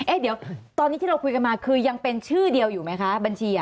เดี๋ยวตอนนี้ที่เราคุยกันมาคือยังเป็นชื่อเดียวอยู่ไหมคะบัญชี